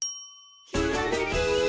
「ひらめき」